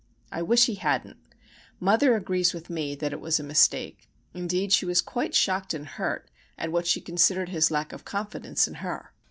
I wish he hadn't. Mother agrees with me that it was a mistake. Indeed, she was quite shocked and hurt at what she considered his lack of confidence in her.